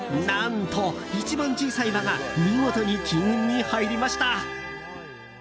何と、一番小さい輪が見事に金運に入りました。